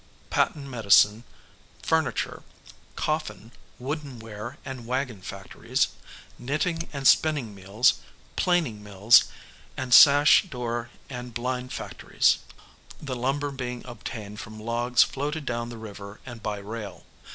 patent medicine, furniture, coffin, woodenware and wagon factories, knitting and spinning mills, planing mills, and sash, door and blind factories the lumber being obtained from logs floated down the river and by rail.